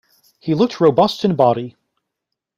He looked robust in body.